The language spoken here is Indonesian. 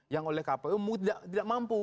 yang oleh kpu tidak mampu